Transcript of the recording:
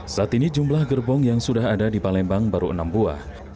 saat ini jumlah gerbong yang sudah ada di palembang baru enam buah